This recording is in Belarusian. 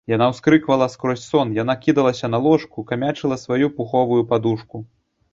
Яна ўскрыквала скрозь сон, яна кідалася на ложку, камячыла сваю пуховую падушку.